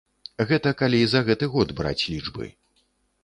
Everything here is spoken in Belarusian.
Гэта калі за гэты год браць лічбы.